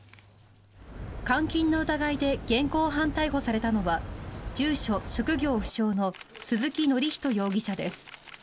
監禁の疑いで現行犯逮捕されたのは住所・職業不詳の鈴木教仁容疑者です。